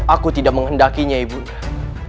aku tidak menghendakinya ibu kak